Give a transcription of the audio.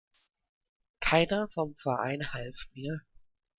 Keiner vom Verein half mir.